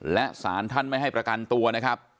และสารท่านไม่ให้ประกันตัวนะครับ